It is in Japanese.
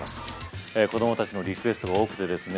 子供たちのリクエストが多くてですね